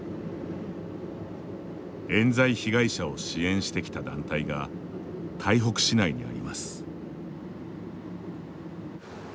えん罪被害者を支援してきた団体が台北市内にあります。